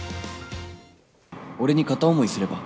俺に片思いすれば？